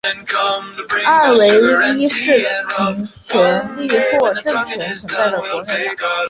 二为依市民权利或政权存在的国内法。